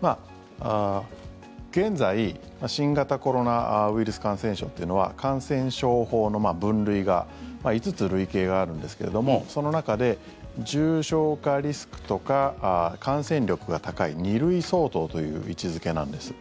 まあ、現在新型コロナウイルス感染症というのは感染症法の分類が５つ、類型があるんですけどもその中で重症化リスクとか感染力が高い２類相当という位置付けなんです。